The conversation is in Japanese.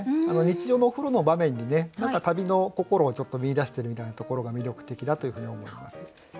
日常のお風呂の場面に何か旅の心をちょっと見いだしてるみたいなところが魅力的だというふうに思います。